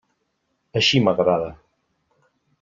Així m'agrada.